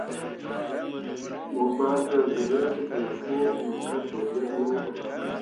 Mo gɓah jol be ne ɓə foo mor ka joŋ yebmain ɗə.